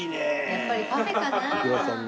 やっぱりパフェかな。